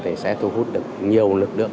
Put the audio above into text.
thì sẽ thu hút được nhiều lực lượng